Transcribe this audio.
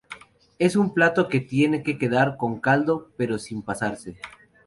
Es un plato que tiene que quedar con caldo pero sin pasarse.